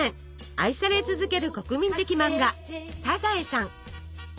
愛され続ける国民的漫画「サザエさん」。